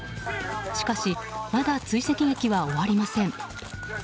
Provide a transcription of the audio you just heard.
しかし、まだ追跡劇は終わりません。